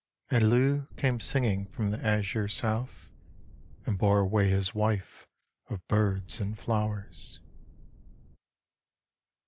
And Llew came singing from the azure south And bore away his wife of birds and flowers.